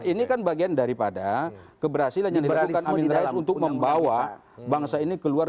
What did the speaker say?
ini kan bagian daripada keberhasilan yang dilakukan amin rais untuk membawa bangsa ini keluar